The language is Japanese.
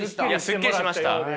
すっきりしましたはい。